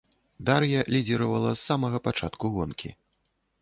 Дар'я лідзіравала с самага пачатку гонкі.